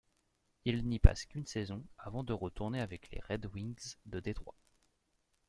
Il n'y passe qu'une saison avant de retourner avec les Red Wings de Détroit.